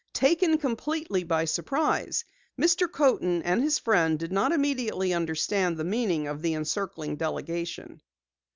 Taken completely by surprise, Mr. Coaten and his friend did not immediately understand the meaning of the encircling delegation.